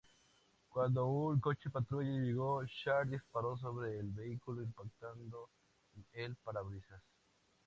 Cuando un coche patrulla llegó, Share disparó sobre el vehículo, impactando en el parabrisas.